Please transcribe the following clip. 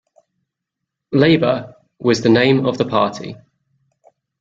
"Labour" was the name of the party.